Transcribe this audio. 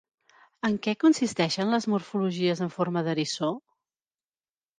En què consisteixen les morfologies en forma d'eriçó?